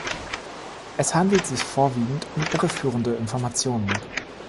Es handelt sich vorwiegend um irreführende Informationen.